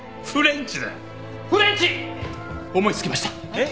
えっ？